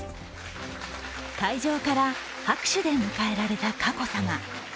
会場から拍手で迎えられた佳子さま。